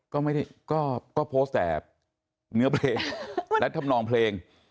ก็ไม่ได้ก็โพสต์แต่เนื้อเพลงและทำนองเพลง